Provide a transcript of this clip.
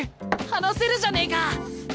話せるじゃねえか！